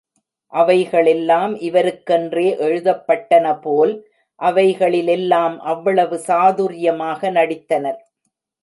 அவைகளெல்லாம் இவருக்கென்றே எழுதப்பட்டனபோல், அவைகளிலெல்லாம் அவ்வளவு சாதுர்யமாக நடித்தார்.